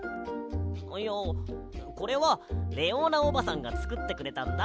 いやこれはレオーナおばさんがつくってくれたんだ。